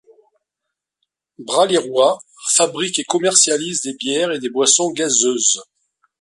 Bralirwa fabrique et commercialise des bières et des boissons gazeuses.